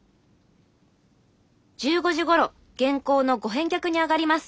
「１５時頃原稿のご返却にあがります」。